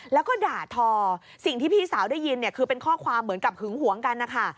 แล้วก็ด่าทอสิ่งที่พี่สาวได้ยินเนี่ยคือเป็นข้อความเหมือนกับหึงหวงกันนะคะ